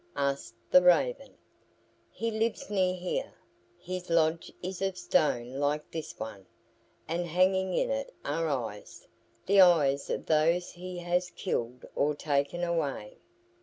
asked the Raven. "He lives near here. His lodge is of stone like this one, and hanging in it are eyes the eyes of those he has killed or taken away.